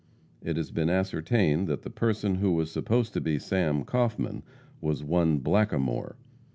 It has been ascertained that the person who was supposed to be Sam Kaufman was one Blackamore.